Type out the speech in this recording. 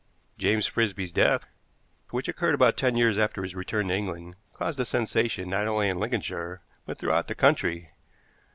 James Frisby's death, which occurred about ten years after his return to England, caused a sensation not only in Lincolnshire, but throughout the country.